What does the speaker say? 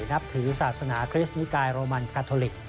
นับถือศาสนาคริสต์นิกายโรมันคาทอลิก